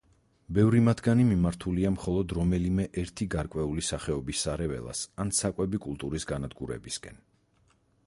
ბევრი მათგანი მიმართულია მხოლოდ რომელიმე ერთი გარკვეული სახეობის სარეველას ან საკვები კულტურის განადგურებისკენ.